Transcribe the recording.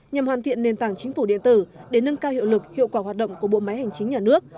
nhằm hoàn thiện nền tảng chính phủ điện tử để nâng cao hiệu lực hiệu quả hoạt động của bộ máy hành chính nhà nước